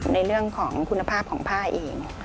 ในเรื่องของคุณภาพของผ้าเอง